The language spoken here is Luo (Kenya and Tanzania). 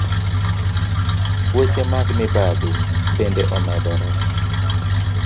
Weche mag mibadhi bende omedore.